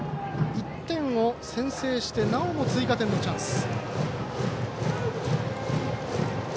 １点を先制して、なおも追加点のチャンス。